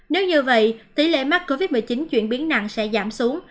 nếu như vậy tỷ lệ mắc covid một mươi chín chuyển biến nặng sẽ giảm xuống